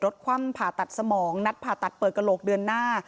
คว่ำผ่าตัดสมองนัดผ่าตัดเปิดกระโหลกเดือนหน้า